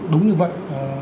đúng như vậy